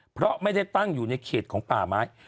เพราะไม่ได้ตั้งอยู่ในเขตของป่าไม้